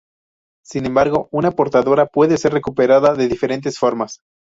Sin embargo, una portadora puede ser recuperada de diferentes formas.